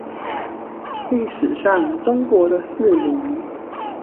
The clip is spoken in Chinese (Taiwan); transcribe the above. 歷史上中國的四鄰